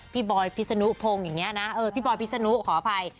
พี่บอกพีชฟีนุขออภัย